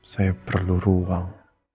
saya perlu ruang